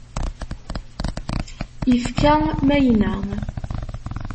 Ifka mayna.